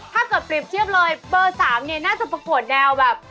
อะถ้าเกิดปริบเทียบเลยเบอร์๓เนี่ยน่าจะประกวดแนวแบบ